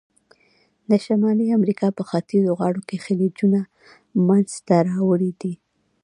د شمالي امریکا په ختیځو غاړو کې خلیجونه منځته راوړي دي.